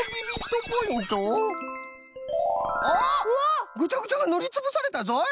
おっぐちゃぐちゃがぬりつぶされたぞい！